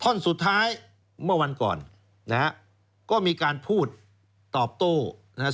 ท่อนสุดท้ายเมื่อวันก่อนนะฮะก็มีการพูดตอบโต้นะฮะ